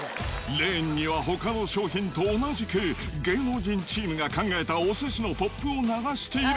レーンにはほかの商品と同じく、芸能人チームが考えたお寿司のポップを流している。